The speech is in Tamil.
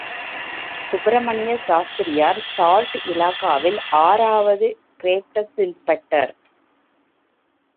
சுப்பிரமணிய சாஸ்திரியார் சால்ட் இலாகாவில் ஆறு ஆவது கிரேட் ஸ்ப் இன்ஸ்பெக்டர்.